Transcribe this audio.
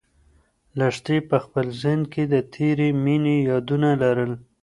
لښتې په خپل ذهن کې د تېرې مېنې یادونه لرل.